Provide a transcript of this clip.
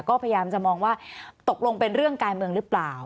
ก็พยายามจะมองว่าตกลงเป็นเรื่องการเมืองหรือเปล่า